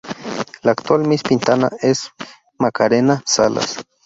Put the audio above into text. La actual Miss Pintana es Macarena Salas.